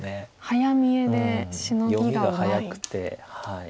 早見えでシノギがうまい。